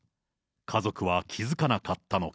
家族は気付かなかったのか。